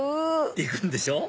行くんでしょ？